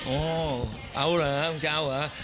โอ้โฮเอาหรือครับมึงจะเอาหรือครับ